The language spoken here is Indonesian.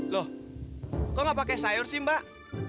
loh kok gak pake sayur sih mbak